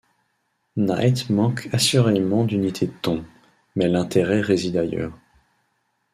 Knight manque assurément d’unité de ton; mais l’intérêt réside ailleurs.